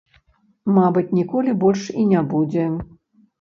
Мабыць, ніколі больш і не будзе.